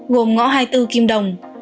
gồm ngõ hai mươi bốn kim đồng